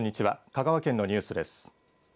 香川県のニュースです。